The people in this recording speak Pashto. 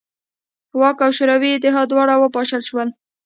واک او شوروي اتحاد دواړه وپاشل شول.